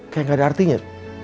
kayak gak ada artinya